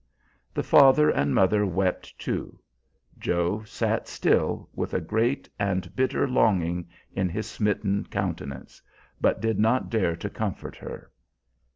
The father and mother wept too. Joe sat still, with a great and bitter longing in his smitten countenance, but did not dare to comfort her.